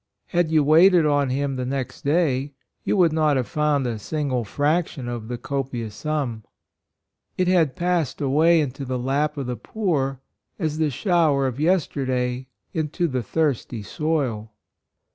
Had you waited on him the next day, you would not have found a single fraction of the copious sum. It had passed away into the lap of the poor as the shower of yester day into the thirsty soil.